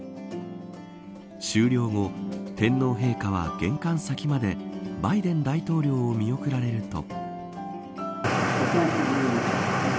終了後、天皇陛下は玄関先までバイデン大統領を見送られると。